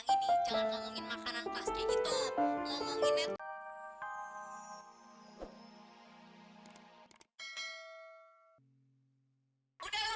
hanya aja lu ya belakang sedih lagi